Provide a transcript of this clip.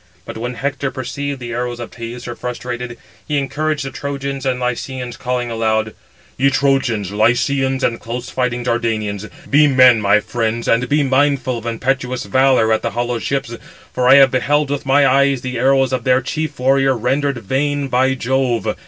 But when Hector perceived the arrows of Teucer frustrated, he encouraged the Trojans and Lycians, calling aloud: "Ye Trojans, Lycians, and close fighting Dardanians, be men, my friends, and be mindful of impetuous valour at the hollow ships; for I have beheld with my eyes the arrows of their chief warrior rendered vain by Jove.